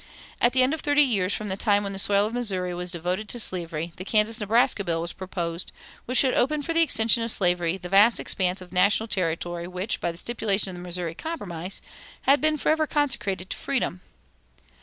At the end of thirty years from the time when the soil of Missouri was devoted to slavery the "Kansas Nebraska Bill" was proposed, which should open for the extension of slavery the vast expanse of national territory which, by the stipulation of the "Missouri Compromise," had been forever consecrated to freedom.